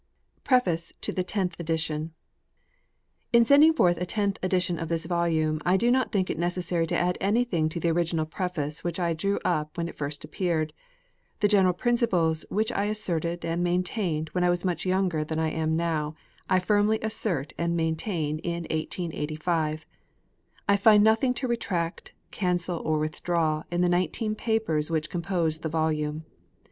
PREFACE TO THE TENTH EDITION. IN sending forth a tenth edition of this volume, I do not think it necessary to add anything to the original preface which I drew up when it first appeared. The general principles which I asserted and maintained when I was much younger than I am now, I firmly assert and maintain in 1885. I find nothing to retract, cancel, or withdraw in the nineteen papers which compose the volume.